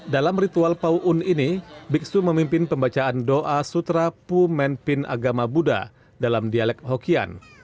dalam ritual pauun ⁇ ini biksu memimpin pembacaan doa sutra pumen pin agama buddha dalam dialek hokian